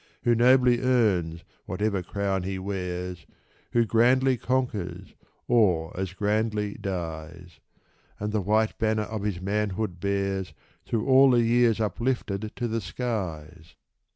Who nobly earns whatever crown he wears, Who grandly conquers, or as grandly dies ; And the white banner of his manhood bears. Through all the years uplifted to the skies